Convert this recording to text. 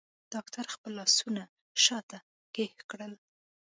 ډاکتر خپل لاسونه شاته کښ کړل.